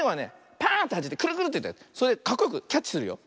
パーンってはじいてくるくるってそれでかっこよくキャッチするよ。